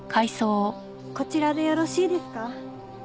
こちらでよろしいですか？